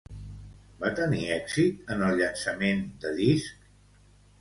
Va tenir èxit en el llançament de disc?